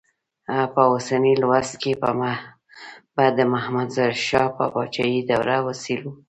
په اوسني لوست کې به د محمد ظاهر شاه د پاچاهۍ دوره وڅېړو.